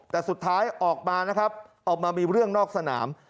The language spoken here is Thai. แต่สุดท้ายออกมานะครับออกมามีเรื่องนอกสนาม